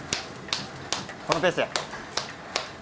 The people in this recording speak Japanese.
このペースや。